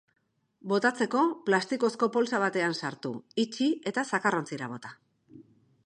Botatzeko, plastikozko poltsa batean sartu, itxi eta zakarrontzira bota.